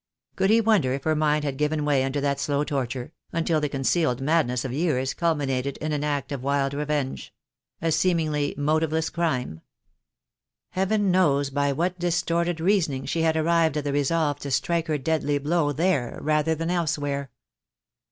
Could he wonder if her mind had given way under that slow torture, until the concealed madness of years culminated in an act of wild revenge — a seemingly THE DAY WILL COME. 247 motiveless crime? Heaven knows by what distorted reasoning she had arrived at the resolve to strike her deadly blow there rather than elsewhere.